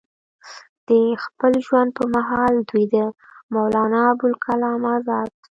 د خپل ژوند پۀ محال دوي د مولانا ابوالکلام ازاد